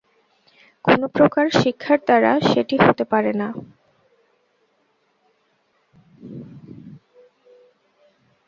কোন প্রকার শিক্ষার দ্বারা সেটি হতে পারে না।